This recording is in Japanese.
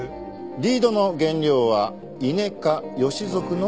リードの原料はイネ科ヨシ属の植物でした。